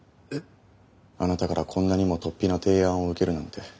あなたからこんなにもとっぴな提案を受けるなんて。